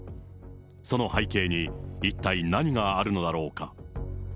その背景に一体何があるのだろうか。